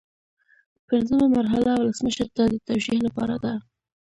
پنځمه مرحله ولسمشر ته د توشیح لپاره ده.